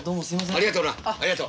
ありがとう。